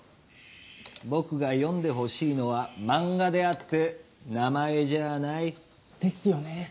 僕が読んでほしいのは漫画であって名前じゃあない。ですよね。